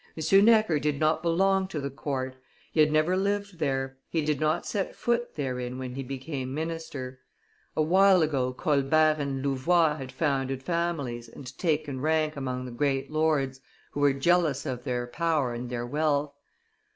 M. Necker did not belong to the court; he had never lived there, he did not set foot therein when he became minister. A while ago Colbert and Louvois had founded families and taken rank among the great lords who were jealous of their power and their wealth.